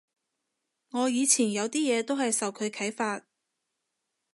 我以前有啲嘢都係受佢啓發